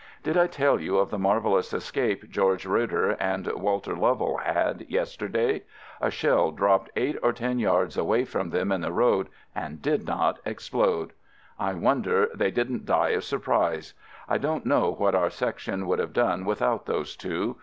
Did I tell you of the marvellous escape George Roeder and Walter Lovell had yesterday? A shell dropped eight or ten yards away from them in the road and did not explode. I wonder they did n't die of surprise! I don't know what our Sec tion would have done without those two.